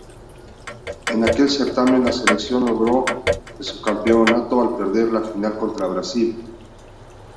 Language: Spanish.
En aquel certamen la selección logró el subcampeonato al perder la final contra Brasil.